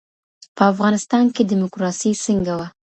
په افغانستان کې ډیموکراسي څنګه وه؟